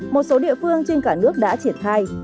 một số địa phương trên cả nước đã triển khai